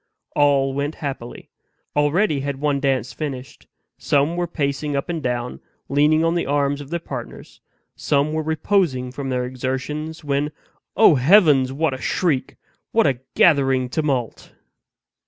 All went happily. Already had one dance finished; some were pacing up and down, leaning on the arms of their partners; some were reposing from their exertions; when O heavens! what a shriek! what a gathering tumult!